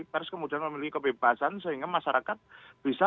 pers kemudian memiliki kebebasan sehingga masyarakat bisa